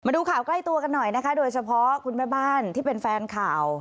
ดูข่าวใกล้ตัวกันหน่อยนะคะโดยเฉพาะคุณแม่บ้านที่เป็นแฟนข่าว